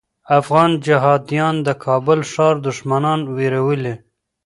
افغان جهاديان د کابل ښار دښمنان ویرولي.